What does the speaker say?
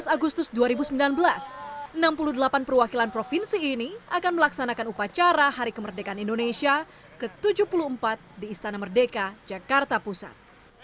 tujuh belas agustus dua ribu sembilan belas enam puluh delapan perwakilan provinsi ini akan melaksanakan upacara hari kemerdekaan indonesia ke tujuh puluh empat di istana merdeka jakarta pusat